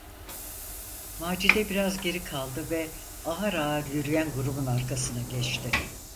Macide biraz geri kaldı ve ağır ağır yürüyen grubun arkasına geçti.